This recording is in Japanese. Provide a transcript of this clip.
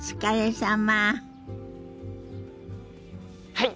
はい！